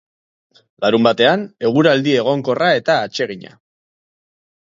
Larunbatean eguraldi egonkorra eta atsegina.